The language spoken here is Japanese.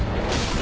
あ！